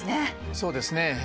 そうですね。